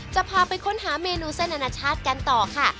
จะพาไปค้นหาเมนูเส้นอนาชาติกันต่อค่ะ